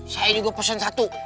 saya juga pesen satu